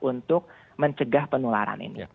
untuk mencegah penularan ini